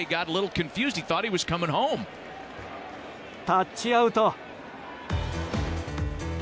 タッチアウト。